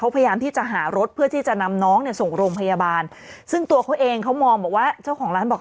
พยายามที่จะหารถเพื่อที่จะนำน้องเนี่ยส่งโรงพยาบาลซึ่งตัวเขาเองเขามองบอกว่าเจ้าของร้านบอก